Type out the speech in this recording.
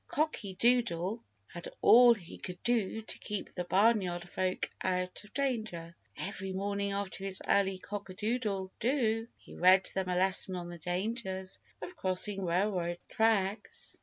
Cocky Doodle had all he could do to keep the Barnyard Folk out of danger. Every morning after his early cock a doodle do he read them a lesson on the dangers of crossing railroad tracks.